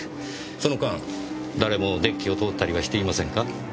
その間誰もデッキを通ったりはしていませんか？